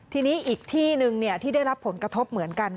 ทีนี้อีกที่หนึ่งที่ได้รับผลกระทบเหมือนกัน